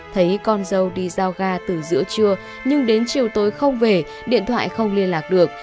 thấy con dâu đi giao ga từ giữa trưa nhưng đến chiều tối không về điện thoại không liên lạc được